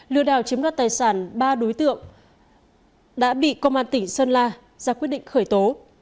lừa đảo chiếm đoạt tài sản ba đối tượng đã bị công an tỉnh sơn la ra quyết định khởi tố